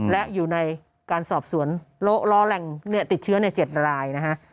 และอยู่ในการสอบสวนล้อแหล่งติดเชื้อใน๗รายนะฮะ